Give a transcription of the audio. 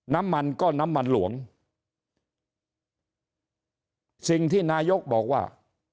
น้ำมันก็น้ำมันหลวงสิ่งที่นายกบอกว่า